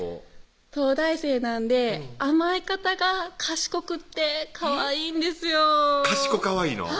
東大生なんで甘え方が賢くってかわいいんですよかしこかわいいの？